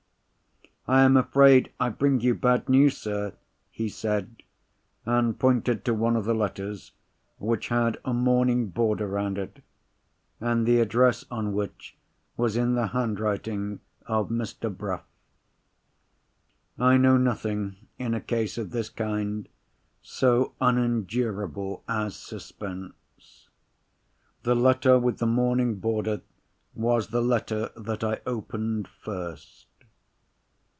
"I am afraid I bring you bad news, sir," he said, and pointed to one of the letters, which had a mourning border round it, and the address on which was in the handwriting of Mr. Bruff. I know nothing, in a case of this kind, so unendurable as suspense. The letter with the mourning border was the letter that I opened first.